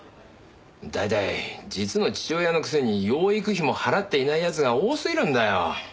大体実の父親のくせに養育費も払っていない奴が多すぎるんだよ！